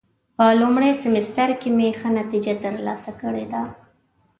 په لومړي سمستر کې مې ښه نتیجه ترلاسه کړې ده.